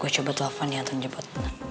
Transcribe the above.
gue coba telepon ya tuan jebat